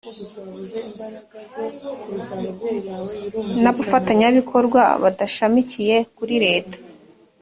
ni abafatanyabikorwa badashamikiye kuri leta